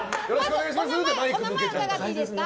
お名前を伺っていいですか？